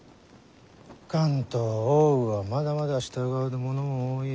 関東奥羽はまだまだ従わぬ者も多い。